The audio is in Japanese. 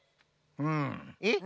うん。えっ？